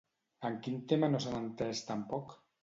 En quin tema no s'han entès tampoc?